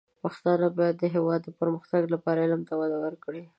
پښتانه بايد د هېواد د پرمختګ لپاره علم ته وده ورکړي.